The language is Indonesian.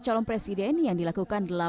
calon presiden yang dilakukan